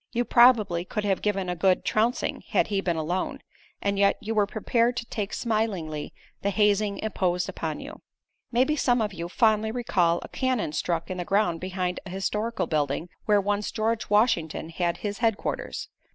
You probably could have given him a good trouncing had he been alone, and yet you were prepared to take smilingly the hazing imposed upon you. Maybe some of you fondly recall a cannon stuck in the ground behind a historical building where once George Washington had his headquarters.